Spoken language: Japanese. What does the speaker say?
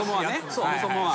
そもそもは。